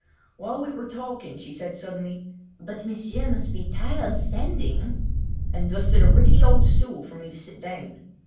While we were talking she said suddenly: "But m'sieur must be tired standing," and dusted a rickety old stool for me to sit down.